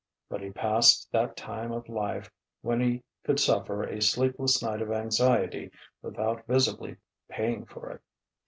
But he had passed that time of life when he could suffer a sleepless night of anxiety without visibly paying for it.